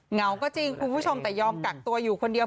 เหงาก็จริงคุณผู้ชมแต่ยอมกักตัวอยู่คนเดียว